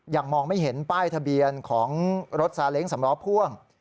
มองไม่เห็นป้ายทะเบียนของรถซาเล้งสำล้อพ่วง